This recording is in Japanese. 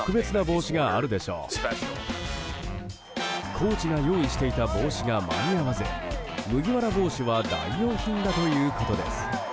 コーチが用意していた帽子が間に合わず麦わら帽子は代用品だということです。